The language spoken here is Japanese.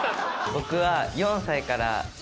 僕は。